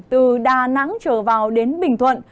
từ đà nẵng trở vào đến bình thuận